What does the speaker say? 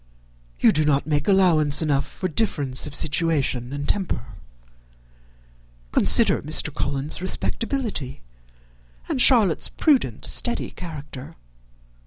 You do not make allowance enough for difference of situation and temper. Consider Mr. Collins's respectability, and Charlotte's prudent, steady character.